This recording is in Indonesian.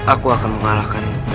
aku akan mengalahkanmu